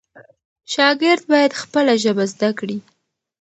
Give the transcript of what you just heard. شاګرد باید خپله ژبه زده کړي.